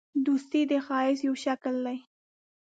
دوستي د ښایست یو شکل دی.